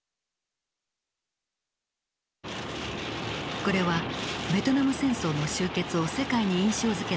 これはベトナム戦争の終結を世界に印象づけた映像です。